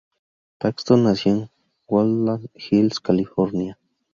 Paxton nació en Woodland Hills, California.